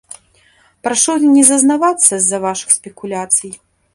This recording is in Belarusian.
Прашу не зазнавацца з-за вашых спекуляцый.